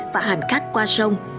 và hành khách qua sông